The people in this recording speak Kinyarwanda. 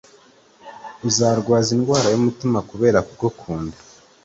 Uzarwaza indwara yumutima kubera kugukunda